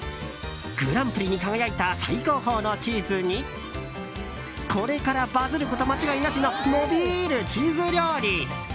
グランプリに輝いた最高峰のチーズにこれからバズること間違いなしの伸びるチーズ料理。